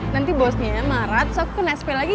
nanti bosnya marah terus aku kena sp lagi